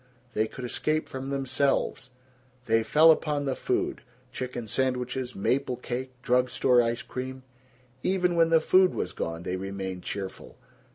They could escape from themselves. They fell upon the food chicken sandwiches, maple cake, drug store ice cream. Even when the food was gone they remained cheerful.